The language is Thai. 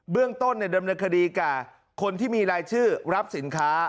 เรื่องต้นดำเนินคดีกับคนที่มีรายชื่อรับสินค้า